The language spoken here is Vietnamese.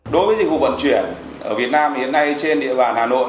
đối với dịch vụ vận chuyển ở việt nam hiện nay trên địa bàn hà nội